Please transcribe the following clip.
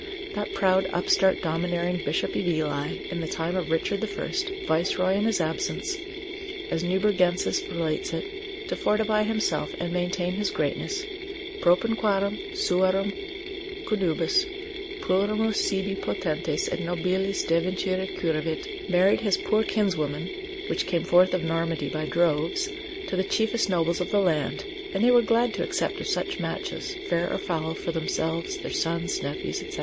That proud upstart domineering Bishop of Ely, in the time of Richard the First, viceroy in his absence, as Nubergensis relates it, to fortify himself, and maintain his greatness, propinquarum suarum connubiis, plurimos sibi potentes et nobiles devincire curavit, married his poor kinswomen (which came forth of Normandy by droves) to the chiefest nobles of the land, and they were glad to accept of such matches, fair or foul, for themselves, their sons, nephews, &c.